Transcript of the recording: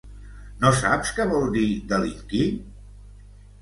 No saps què vol dir delinquir?